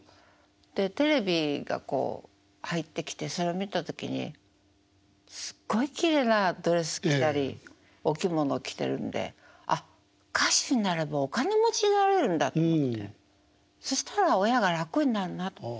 でテレビがこう入ってきてそれを見た時にすっごいきれいなドレス着たりお着物着てるんであっ歌手になればお金持ちになれるんだと思ってそしたら親が楽になるなと思って。